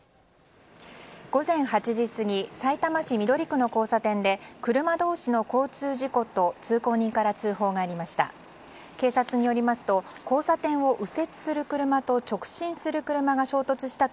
午前８時過ぎさいたま市緑区の交差点で車同士の交通事故と通行人から通報がありました。